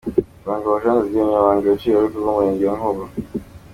Rwango Jean de Dieu, Umunyamabanga nshingwabikorwa w’ umurenge wa Nkombo.